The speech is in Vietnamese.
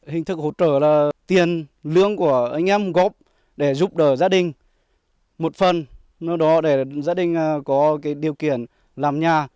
hình thức hỗ trợ là tiền lương của anh em góp để giúp đỡ gia đình một phần nào đó để gia đình có điều kiện làm nhà